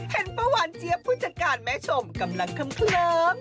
เห็นปะหวานเจี๊ยบผู้จัดการแม้ชมกำลังเขิม